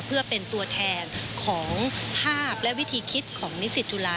เพื่อเป็นตัวแทนของภาพและวิธีคิดของนิสิตจุฬา